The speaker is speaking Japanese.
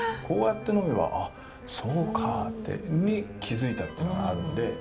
こうやって呑めばあっそうかってのに気付いたっていうのがあるので。